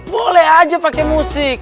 boleh aja pakai musik